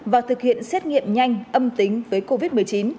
và thực hiện xét nghiệm nhanh âm tính với covid một mươi chín